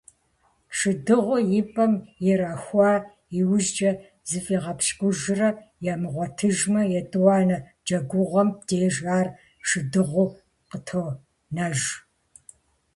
Шыдыгъур и пӀэм ирахуа и ужькӀэ зафӀигъэпщкӀужрэ ямыгъуэтыжмэ, етӀуанэ джэгугъуэм деж ар шыдыгъуу къытонэж.